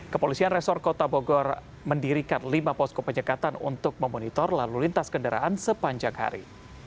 kepolisian resor kota bogor mendirikan lima posko penyekatan untuk memonitor lalu lintas kendaraan sepanjang hari